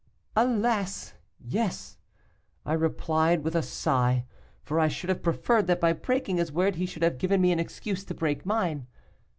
'Alas! yes,' replied I with a sigh, for I should have preferred that by breaking his word he should have given me an excuse to break mine.